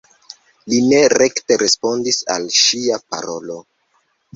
Li ne rekte respondis al ŝia parolo.